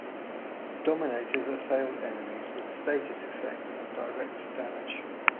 Dominators assailed enemies with status effects and direct damage.